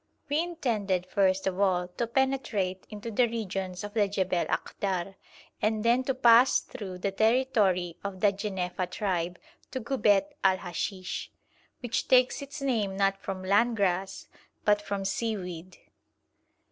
We intended first of all to penetrate into the regions of the Jebel Akhdar, and then to pass through the territory of the Jenefa tribe to Ghubbet el Hashish, which takes its name not from land grass, but from seaweed.